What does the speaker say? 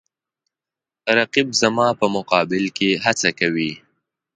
رقیب زما په مقابل کې هڅه کوي